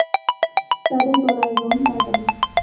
তাদের গলায় রং বাদামী।